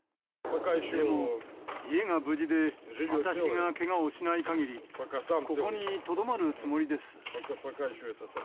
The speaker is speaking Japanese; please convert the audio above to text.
でも家が無事で、私がけがをしないかぎり、ここにとどまるつもりです。